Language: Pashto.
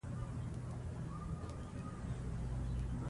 ايا ستاسې ماشومان ښوونځي ته ځي؟